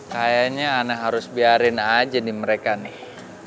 kayaknya anak harus biarin aja nih mereka nih